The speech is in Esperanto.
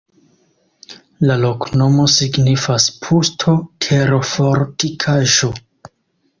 La loknomo signifas pusto-terofortikaĵo.